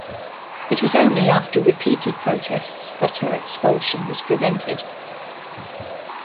It was only after repeated protests that her expulsion was prevented.